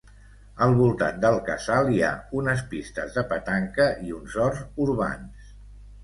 Al voltant del casal hi ha unes pistes de petanca i uns horts urbans.